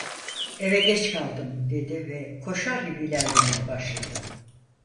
"Eve geç kaldım!" dedi ve koşar gibi ilerlemeye başladı.